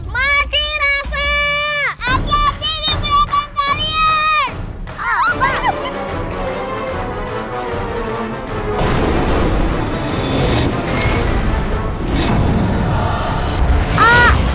kau mati di belakang kalian